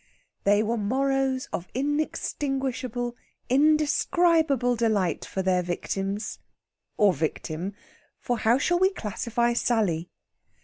They were morrows of inextinguishable, indescribable delight for their victims or victim for how shall we classify Sally?